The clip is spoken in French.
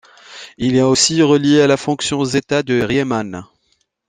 Il est aussi relié à la fonction zêta de Riemann.